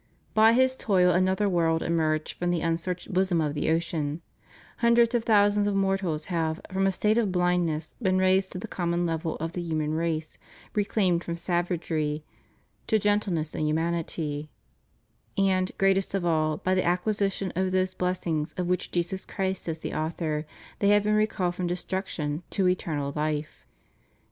By his toil another world emerged from the unsearched bosom of the ocean: hundreds of thousands of mortals have, from a state of bhndness been raised to the common level of the human race, re claimed from savagery to gentleness and humanity; and, greatest of all, by the acquisition of those blessings of which Jesus Christ is the author, they have been re called from destruction to eternal life.